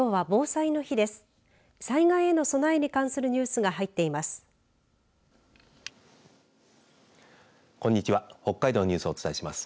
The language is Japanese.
災害への備えに関するニュースが入っています。